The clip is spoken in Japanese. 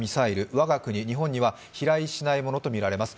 我が国、日本には飛来しないものとみられます。